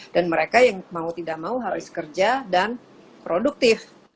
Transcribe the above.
dan mereka yang mau tidak mau harus kerja dan produktif